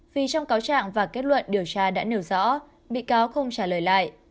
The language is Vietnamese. vì trong cáo trạng và kết luận điều tra đã nêu rõ bị cáo không trả lời lại